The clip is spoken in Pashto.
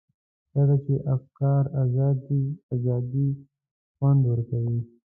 چېرته چې افکار ازاد وي ازادي خوند ورکوي.